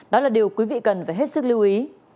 đó là điều quý vị cần phải hết sức lưu ý